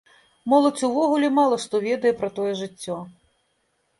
Моладзь увогуле мала што ведае пра тое жыццё.